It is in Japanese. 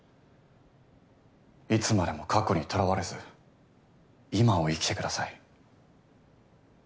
いつまでも過去にとらわれず今を生きてください。